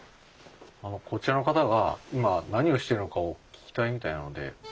こちらの方が今何をしているのかを聞きたいみたいなので。